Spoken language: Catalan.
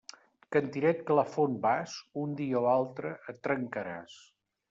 Cantiret que a la font vas, un dia o altre et trencaràs.